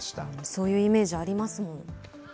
そういうイメージ、ありますもん。